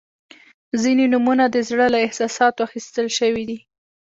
• ځینې نومونه د زړه له احساساتو اخیستل شوي دي.